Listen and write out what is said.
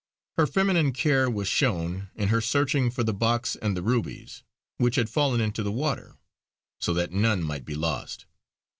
Her feminine care was shown in her searching for the box and the rubies which had fallen into the water so that none might be lost.